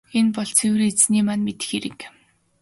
Энэ бол цэвэр Эзэний маань мэдэх хэрэг.